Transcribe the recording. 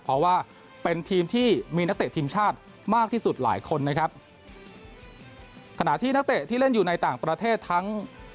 เพราะว่าเป็นทีมที่มีนักเตะทีมชาติมากที่สุดหลายคนนะครับขณะที่นักเตะที่เล่นอยู่ในต่างประเทศทั้ง